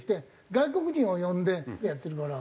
外国人を呼んでやってるから。